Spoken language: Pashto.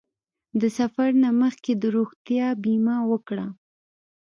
د سفر نه مخکې د روغتیا بیمه وکړه.